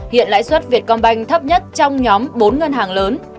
hiện lãi suất vietcombank thấp nhất trong nhóm bốn ngân hàng lớn